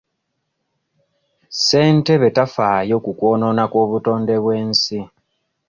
Ssentebe tafaayo ku kwonoona kw'obutonde bw'ensi.